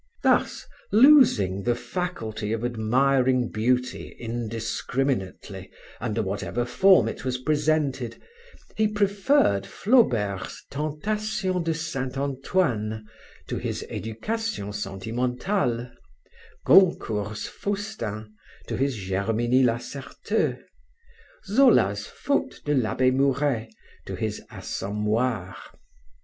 Thus, losing the faculty of admiring beauty indiscriminately under whatever form it was presented, he preferred Flaubert's Tentation de saint Antoine to his Education sentimentale; Goncourt's Faustin to his Germinie Lacerteux; Zola's Faute de l'abbe Mouret to his Assommoir.